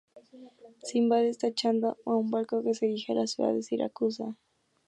Simbad estaba acechando a un barco que se dirigía a la ciudad de Siracusa.